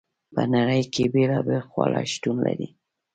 په نړۍ کې بیلابیل خواړه شتون لري.